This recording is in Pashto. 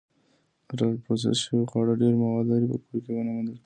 الټرا پروسس شوي خواړه ډېری مواد لري چې په کور کې نه موندل کېږي.